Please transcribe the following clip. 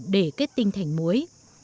để kết tinh thành muối